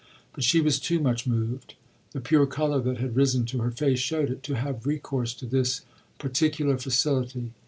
But she was too much moved the pure colour that had risen to her face showed it to have recourse to this particular facility.